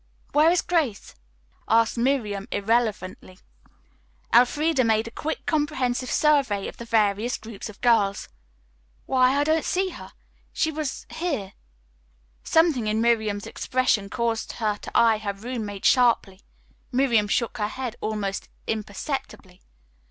"Where is Grace?" asked Miriam irrelevantly. Elfreda made a quick, comprehensive survey of the various groups of girls. "Why, I don't see her. She was here " Something in Miriam's expression caused her to eye her roommate sharply. Miriam shook her head almost imperceptibly.